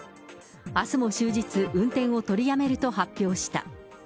あすも終日運転を取りやめると発表した。